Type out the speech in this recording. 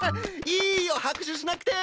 いいよ拍手しなくて！